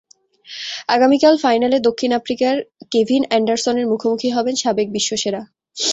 আগামীকাল ফাইনালে দক্ষিণ আফ্রিকার কেভিন অ্যান্ডারসনের মুখোমুখি হবেন সাবেক বিশ্বসেরা।